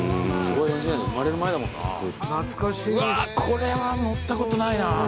これは乗ったことないな。